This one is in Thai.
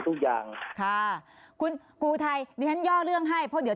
ทุกอย่างค่ะคุณกูไทยดิฉันย่อเรื่องให้เพราะเดี๋ยว